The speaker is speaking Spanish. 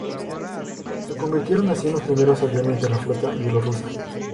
Se convirtieron así en los primeros aviones de la flota bielorrusa.